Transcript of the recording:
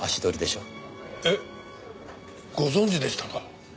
えっご存じでしたか？